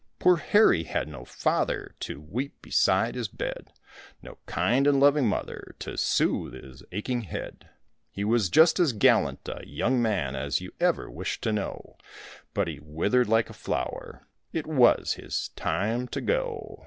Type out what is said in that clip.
Poor Harry had no father to weep beside his bed, No kind and loving mother to sooth his aching head. He was just as gallant a young man as ever you wished to know, But he withered like a flower, it was his time to go.